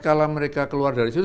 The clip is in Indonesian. kepada kpu dan bawaslu